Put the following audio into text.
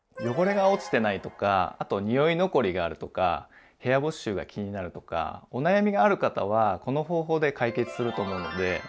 汚れが落ちてないとかあと匂い残りがあるとか部屋干し臭が気になるとかお悩みがある方はこの方法で解決すると思うので。